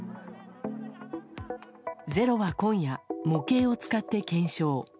「ｚｅｒｏ」は今夜模型を使って検証。